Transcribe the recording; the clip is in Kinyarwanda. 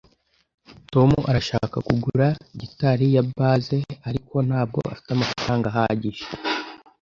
tom arashaka kugura gitari ya bass, ariko ntabwo afite amafaranga ahagije